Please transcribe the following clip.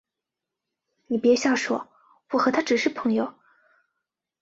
你别瞎说，我和他只是朋友